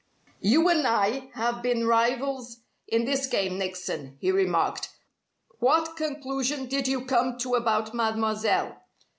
"You and I have been rivals in this game, Nickson," he remarked. "What conclusion did you come to about Mademoiselle?"